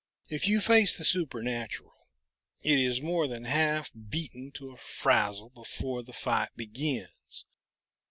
If you face the supernatural, it is more than half beaten to a frazzle, before the fight begins.